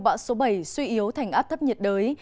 bão số bảy suy yếu thành áp thấp nhiệt đới